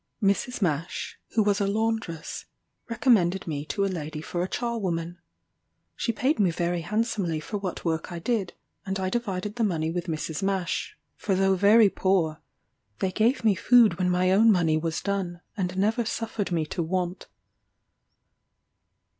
Mrs. Mash, who was a laundress, recommended me to a lady for a charwoman. She paid me very handsomely for what work I did, and I divided the money with Mrs. Mash; for though very poor, they gave me food when my own money was done, and never suffered me to want.